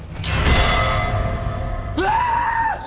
うわ！